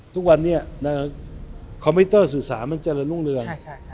ทุกวันนี้คอมพิวเตอร์ศึกษามัญจรรย์รุ่งเรือน